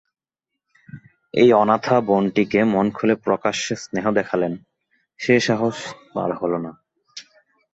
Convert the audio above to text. এই অনাথা বোনটিকে মন খুলে প্রকাশ্যে স্নেহ দেখালেন, সে সাহস তাঁর হল না।